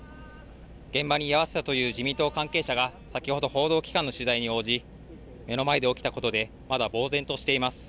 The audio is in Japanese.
現場に居合わせたという自民党関係者が先ほど報道機関の取材に応じ目の前で起きたことでまだぼう然としています。